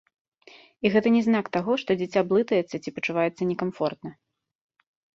І гэта не знак таго, што дзіця блытаецца ці пачуваецца не камфортна.